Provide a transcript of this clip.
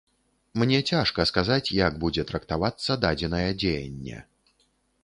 Мне цяжка сказаць, як будзе трактавацца дадзенае дзеянне.